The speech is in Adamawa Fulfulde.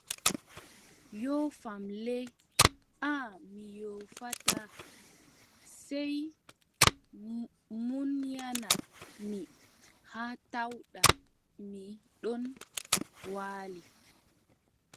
Yoofam le, aaʼa mi yoofataa, sey munyana mi haa tawɗa mi ɗon waali,